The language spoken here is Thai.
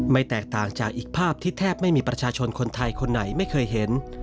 แตกต่างจากอีกภาพที่แทบไม่มีประชาชนคนไทยคนไหนไม่เคยเห็น